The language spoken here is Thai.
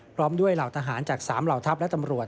พร้อมด้วยเหล่าทหารจาก๓เหล่าทัพและตำรวจ